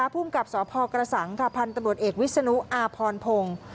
ภูมิกับสพกระสังค่ะพันธุ์ตำรวจเอกวิศนุอาพรพงศ์